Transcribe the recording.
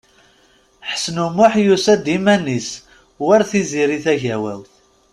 Ḥsen U Muḥ yusa-d iman-is, war Tiziri Tagawawt.